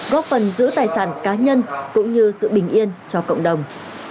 góp phần giữ tài sản cá nhân cũng như sự bình yên cho cộng đồng